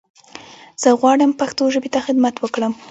زه غواړم پښتو ژبې ته خدمت وکړم.